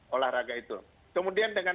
olahraga itu kemudian dengan